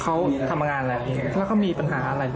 เขาทำงานอะไรเองแล้วเขามีปัญหาอะไร